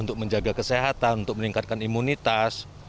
untuk menjaga kesehatan untuk meningkatkan imunitas